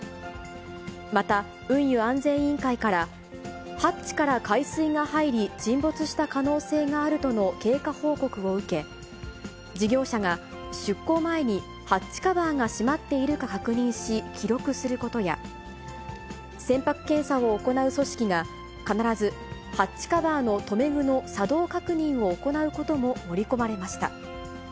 また、運輸安全委員会から、ハッチから海水が入り、沈没した可能性があるとの経過報告を受け、事業者が出航前にハッチカバーが閉まっているか確認し、記録することや、船舶検査を行う組織が、必ずハッチカバーの留め具の作動確認を行うことも盛り込まれました。